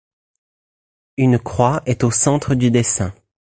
Une croix est au centre du dessin.